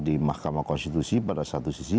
di mahkamah konstitusi pada satu sisi